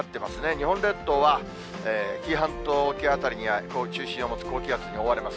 日本列島は紀伊半島沖辺りに中心を持つ高気圧に覆われます。